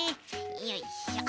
よいしょ。